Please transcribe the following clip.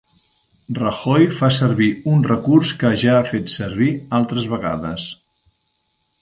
Rajoy fa servir un recurs que ja ha fet servir altres vegades